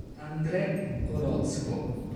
Andrés Orozco